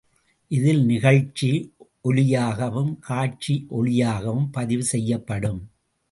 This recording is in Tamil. இதில் நிகழ்ச்சி ஒலியாகவும் காட்சி ஒளியாகவும் பதிவு செய்யப்படும்.